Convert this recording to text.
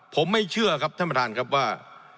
ผมไม่เชื่อครับท่านประธานครับว่า